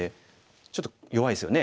ちょっと弱いですよね。